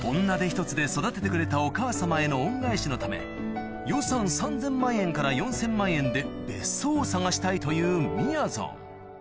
女手ひとつで育ててくれたお母様への恩返しのため予算３０００万円から４０００万円で別荘を探したいというみやぞん